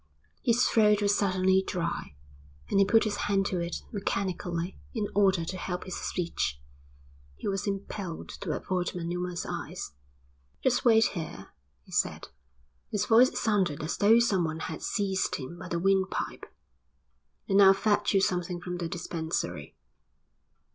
His throat was suddenly dry, and he put his hand to it mechanically in order to help his speech. He was impelled to avoid Manuma's eyes. "Just wait here," he said, his voice sounded as though someone had seized him by the windpipe, "and I'll fetch you something from the dispensary."